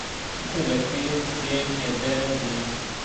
د لکيو پرې کېده دي